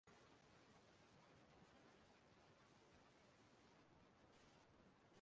n'okporo ụzọ awara-awara ahụ siri Enugu gaa Ọnịtsha